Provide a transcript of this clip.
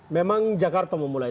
memang jakarta memulai